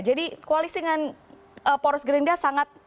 jadi koalisi dengan poros gerindra sangat